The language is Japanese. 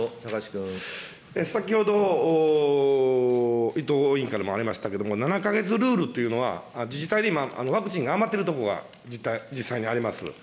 先ほど、伊藤委員からもありましたけれども、７か月ルールというのは、自治体で今、ワクチンが余っている所が実際にあります。